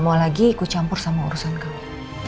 kedua udah gak mau lagi ikut campur sama urusan kamu